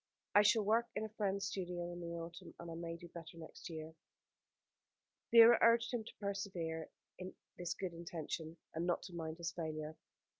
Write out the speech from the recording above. I shall work in a friend's studio in the autumn, and I may do better next year." Vera urged him to persevere in this good intention, and not to mind his failure.